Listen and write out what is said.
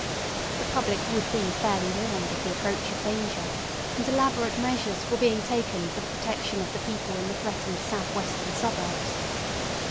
The public would be fairly warned of the approach of danger, and elaborate measures were being taken for the protection of the people in the threatened southwestern suburbs.